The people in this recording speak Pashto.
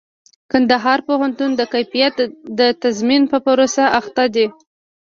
کندهار پوهنتون د کيفيت د تضمين په پروسه اخته دئ.